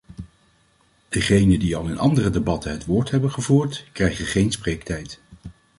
Degenen die al in andere debatten het woord hebben gevoerd, krijgen geen spreektijd.